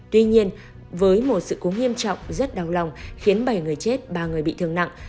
tuy nhiên với một sự cố nghiêm trọng rất đau lòng khiến bảy người chết ba người bị thương nặng